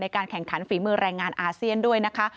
การแข่งขันฝีมือแรงงานอาเซียนด้วยนะคะ